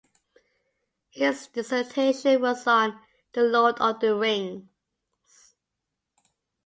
His dissertation was on "The Lord of the Rings".